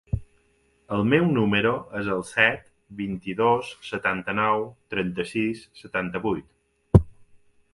El meu número es el set, vint-i-dos, setanta-nou, trenta-sis, setanta-vuit.